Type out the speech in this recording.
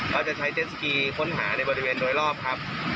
ก็จะใช้เจสสกีค้นหาในบริเวณโดยรอบครับ